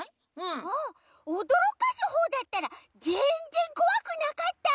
あっおどろかすほうだったらぜんぜんこわくなかった！